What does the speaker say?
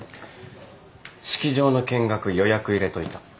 式場の見学予約入れといた。